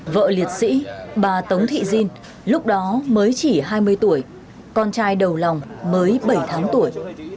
vợ liệt sĩ bà tống thị diên lúc đó mới chỉ hai mươi tuổi con trai đầu lòng mới bảy tháng tuổi